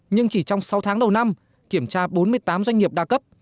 nhưng chỉ trong sáu tháng đầu năm kiểm tra bốn mươi tám doanh nghiệp đa cấp